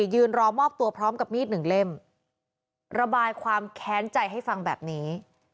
ยืนรอมอบตัวพร้อมกับมีดหนึ่งเล่มระบายความแค้นใจให้ฟังแบบนี้